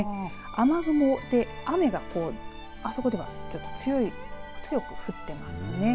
雨雲で雨があそこではちょっと強く降っていますね。